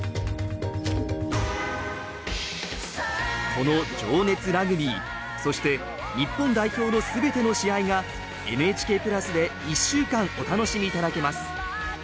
この「情熱ラグビー」そして日本代表のすべての試合がＮＨＫプラスで１週間、お楽しみいただけます。